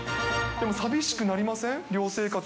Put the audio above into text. でも寂しくなりません？